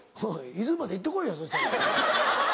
伊豆まで行って来いよそしたら。